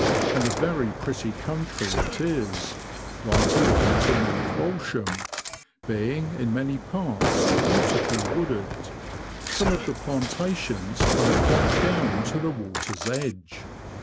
And a very pretty country it is, right away to North Walsham, being in many parts beautifully wooded ; some of the plantations come quite down to the water's edge.